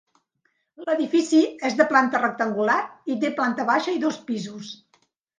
L'edifici és de planta rectangular i té planta baixa i dos pisos.